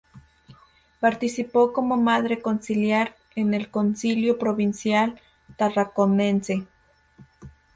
Participó como madre conciliar en el Concilio Provincial Tarraconense.